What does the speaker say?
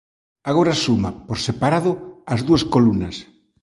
Agora suma, por separado, as dúas columnas.